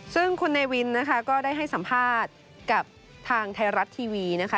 ซึ่งคุณเนวินนะคะก็ได้ให้สัมภาษณ์กับทางไทยรัฐทีวีนะคะ